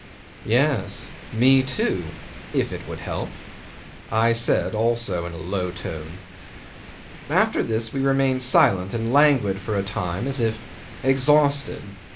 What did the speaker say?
'"Yes me too if it would help," I said, also in a low tone. After this we remained silent and languid for a time as if exhausted.